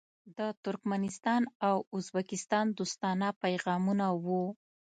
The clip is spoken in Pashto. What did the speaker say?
د ترکمنستان او ازبکستان دوستانه پیغامونه وو.